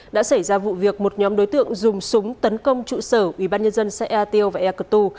đã xảy ra vụ việc một nhóm đối tượng dùng súng tấn công trụ sở ubnd xã ea tiêu và ea cơ tu